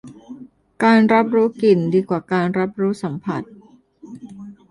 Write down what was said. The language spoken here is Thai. การรับรู้กลิ่นดีกว่าการรับรู้สัมผัส